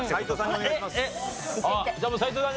お願いします！